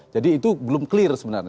jadi itu belum clear sebenarnya